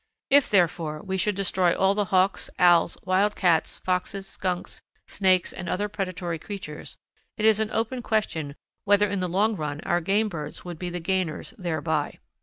If, therefore, we should destroy all the Hawks, Owls, wild cats, foxes, skunks, snakes, and other predatory creatures, it is an open question whether in the long run our game birds would be the gainers thereby.